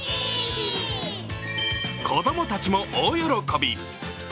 子供たちも大喜び。